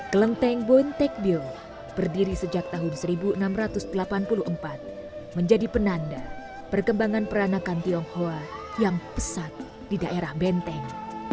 kelenteng boentekbil berdiri sejak tahun seribu enam ratus delapan puluh empat menjadi penanda perkembangan peranakan tionghoa yang pesat di daerah benteng